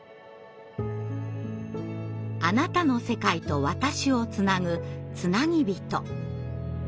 あなたの世界と私をつなぐつなぎびと。